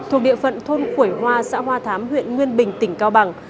thuộc địa phận thôn khuổi hoa xã hoa thám huyện nguyên bình tỉnh cao bằng